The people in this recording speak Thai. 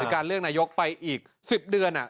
การเลือกนายกไปอีก๑๐เดือน